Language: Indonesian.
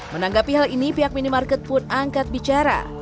menanggapi hal ini pihak minimarket pun angkat bicara